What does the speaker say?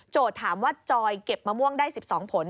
ถามว่าจอยเก็บมะม่วงได้๑๒ผล